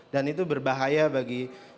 dan itu berbahaya bagi